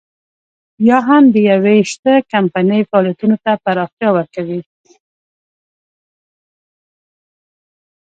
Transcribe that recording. یا هم د يوې شته کمپنۍ فعالیتونو ته پراختیا ورکوي.